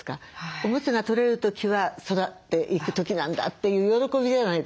おむつが取れる時は育っていく時なんだという喜びじゃないですか。